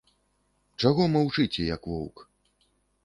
Чаго маўчыце, як воўк?